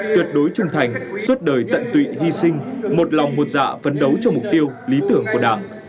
tuyệt đối trung thành suốt đời tận tụy hy sinh một lòng một dạ phấn đấu cho mục tiêu lý tưởng của đảng